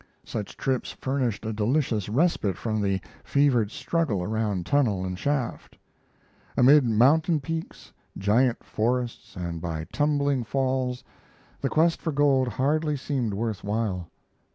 Such trips furnished a delicious respite from the fevered struggle around tunnel and shaft. Amid mountain peaks and giant forests and by tumbling falls the quest for gold hardly seemed worth while.